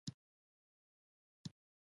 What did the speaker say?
د افغانستان ګاونډي هېوادونه